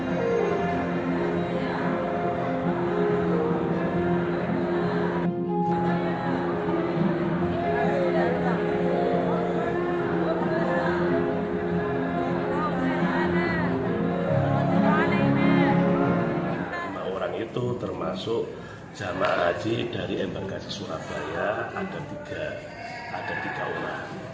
tiga orang itu termasuk jama' haji dari embarkasi surabaya ada tiga orang